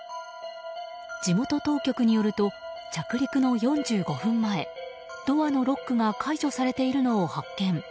地元当局によると着陸の４５分前ドアのロックが解除されているのを発見。